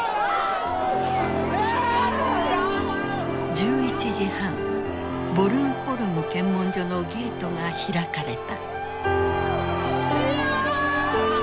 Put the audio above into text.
１１時半ボルンホルム検問所のゲートが開かれた。